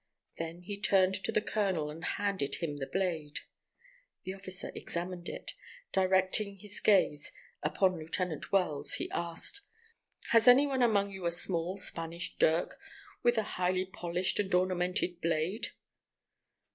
Then he turned to the colonel and handed him the blade. That officer examined it. Directing his gaze upon Lieutenant Wells, he asked: "Has any one among you a small Spanish dirk, with a highly polished and ornamented blade?"